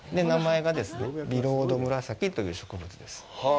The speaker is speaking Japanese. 名前がですね、ビロードムラサキという植物です。